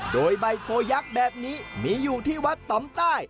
โดยใบโพยักษ์แบบนี้มีอยู่ที่วัดต่อมใต้